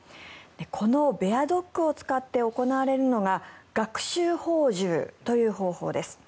このベアドッグを使って行われるのが学習放獣という方法です。